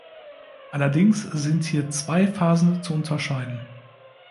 Allerdings sind hier zwei Phasen zu unterscheiden.